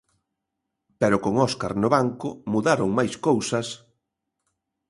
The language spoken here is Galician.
Pero con Óscar no banco mudaron máis cousas...